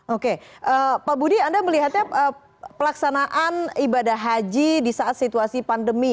oke pak budi anda melihatnya pelaksanaan ibadah haji di saat situasi pandemi